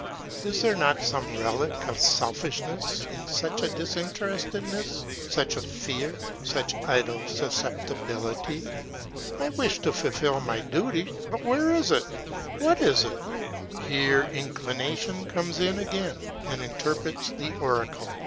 —is there not some relic of selfishness in such a disinter estedness, such a fear, such idle suscepti bility ? I wish to fulfil my duty — but where is it, what is it? Here inclination comes in again and interprets the oracle.